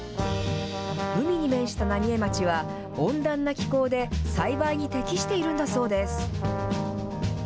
海に面した浪江町は、温暖な気候で栽培に適しているんだそうです。